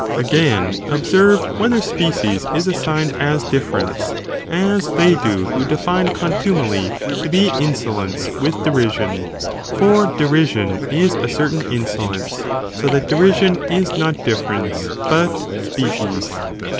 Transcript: se ded ct Again (observe), whether species is assigned as species be difference, as they do who define contumely to be assigned δ᾽ insolence with derision, for derision is a certain insolence, so that derision is not. difference, but species.